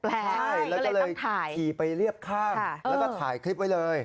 ใช่แล้วก็เลยขี่ไปเรียบข้างแล้วก็ถ่ายคลิปไว้เลย